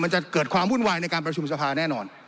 จะเกิดความวุ่นวายในการประชุมสภาแน่นอน